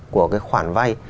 hai mươi của cái khoản vay